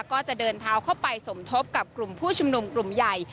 ก็จะเดินเท้าเข้าไปสมทบกับกลุ่มผู้ชุมนุมกลุ่มใหญ่